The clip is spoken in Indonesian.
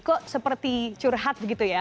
kok seperti curhat begitu ya